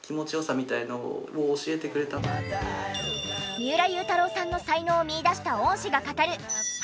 三浦祐太朗さんの才能を見いだした恩師が語る母